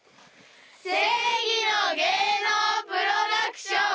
『正偽の芸能プロダクション』。